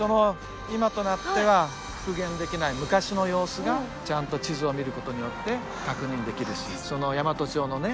今となっては復元できない昔の様子がちゃんと地図を見ることによって確認できるし大和町のね